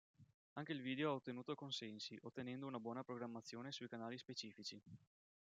Anche il video ha ottenuto consensi, ottenendo una buona programmazione sui canali specifici.